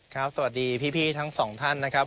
สวัสดีพี่ทั้งสองท่านนะครับ